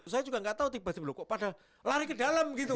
saya juga gak tau tiba tiba kok pada lari ke dalam gitu